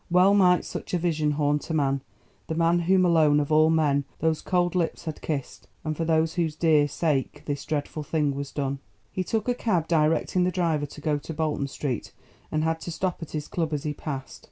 Well might such a vision haunt a man, the man whom alone of all men those cold lips had kissed, and for whose dear sake this dreadful thing was done. He took a cab directing the driver to go to Bolton Street and to stop at his club as he passed.